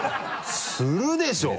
するでしょ！